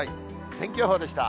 天気予報でした。